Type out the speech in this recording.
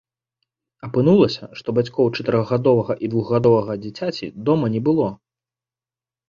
Апынулася, што бацькоў чатырохгадовага і двухгадовага дзіцяці дома не было.